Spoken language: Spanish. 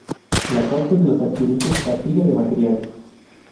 La causa de los accidentes: Fatiga de materiales.